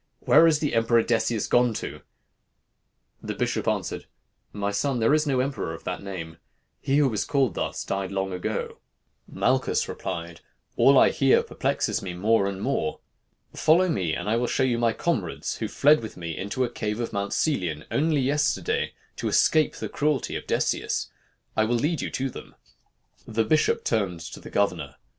Where is the Emperor Decius gone to?' "The bishop answered, 'My son, there is no emperor of that name; he who was thus called died long ago.' "Malchus replied, 'All I hear perplexes me more and more. Follow me, and I will show you my comrades, who fled with me into a cave of Mount Celion, only yesterday, to escape the cruelty of Decius. I will lead you to them.' "The bishop turned to the governor.